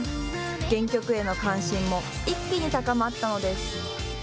原曲への関心も一気に高まったのです。